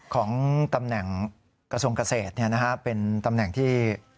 ของตำแหน่งกระทรวงเกษตรเป็นตำแหน่งที่